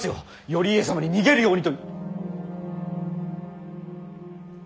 頼家様に逃げるようにと。